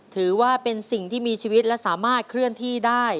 ถือว่าเป็นสิ่งที่มีชีวิตและสามารถเคลื่อนที่ได้